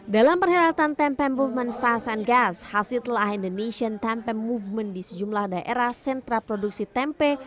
dalam perhelatan tempe movement fast and gas hasil telah indonesian tempe movement di sejumlah daerah sentra produksi tempe